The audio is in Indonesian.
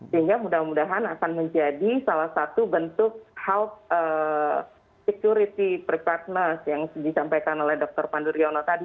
sehingga mudah mudahan akan menjadi salah satu bentuk health security preparedness yang disampaikan oleh dr pandu riono tadi